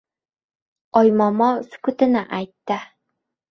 Oymomo sukutini aytdi.